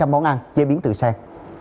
hai trăm linh món ăn chế biến từ sen